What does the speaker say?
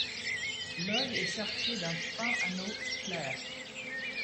L'œil est cerclé d'un fin anneau clair.